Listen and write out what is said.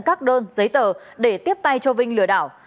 các đơn giấy tờ để tiếp tay cho vinh lừa đảo